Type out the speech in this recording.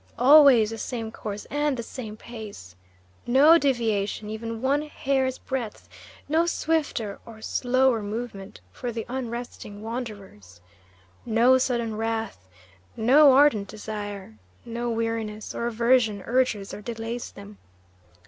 Always the same course and the same pace. No deviation even one hair's breadth, no swifter or slower movement for the unresting wanderers. No sudden wrath, no ardent desire, no weariness or aversion urges or delays them.